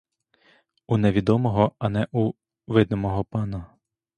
У невідомого, а не у видимого пана.